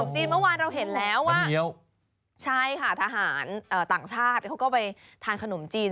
จะก็กินขนมจีน